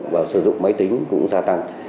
và sử dụng máy tính cũng gia tăng